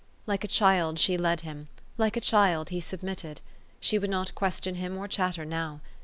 Like a child she led him; like a child he submitted. She would not question him or chatter now.